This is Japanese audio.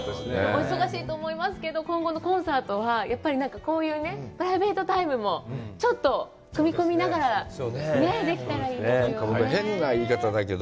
お忙しいと思いますけど、今後のコンサートは、こういうプライベートタイムもちょっと組み込みながらできたらいいですよね。